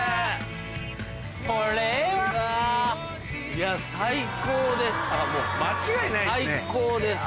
いや最高です。